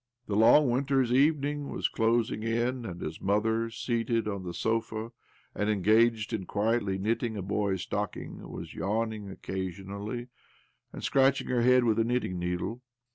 The long winter's evening was closing in, OBLOMOV 131 and his mother, seated qn the sofa and engaged in quietly knitting a boy's stocking, was yawning occasionally, and scratching her head with a knitting needle.